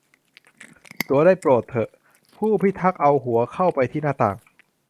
'ตั๋วได้โปรดเถอะ !' ผู้พิทักษ์พูดเอาหัวเข้าไปที่หน้าต่าง